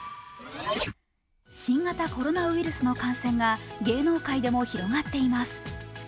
新型コロナウイルスの感染が芸能界でも広がっています。